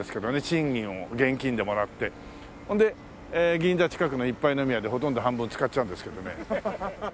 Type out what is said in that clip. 賃金を現金でもらってほんで銀座近くの一杯飲み屋でほとんど半分使っちゃうんですけどね。